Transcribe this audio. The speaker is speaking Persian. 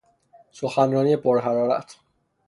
سخنرانی پر حرارت